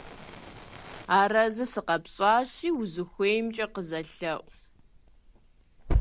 Арэзы сыкъэпщӀащи, узыхуеймкӀэ къызэлъэӀу.